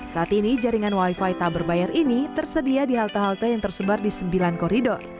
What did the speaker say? saat ini jaringan wifi tak berbayar ini tersedia di halte halte yang tersebar di sembilan koridor